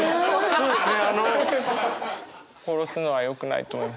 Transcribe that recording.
そうですね！